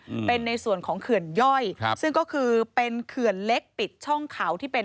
อืมเป็นในส่วนของเขื่อนย่อยครับซึ่งก็คือเป็นเขื่อนเล็กปิดช่องเขาที่เป็น